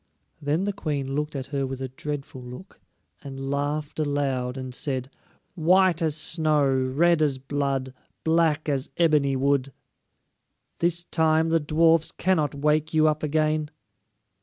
Then the Queen looked at her with a dreadful look, and laughed aloud and said: "White as snow, red as blood, black as ebony wood! This time the dwarfs cannot wake you up again."